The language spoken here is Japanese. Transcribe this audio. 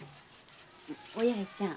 お八重ちゃん。